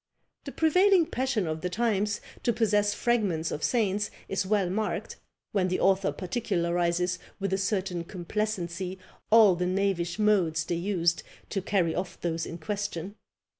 The prevailing passion of the times to possess fragments of saints is well marked, when the author particularises with a certain complacency all the knavish modes they used to carry off those in question.